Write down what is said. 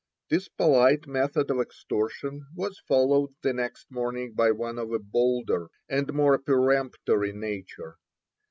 This polite method of extortion was followed the next morning by one of a bolder and more peremptory nature.